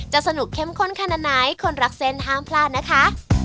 สนุกเข้มข้นขนาดไหนคนรักเส้นห้ามพลาดนะคะ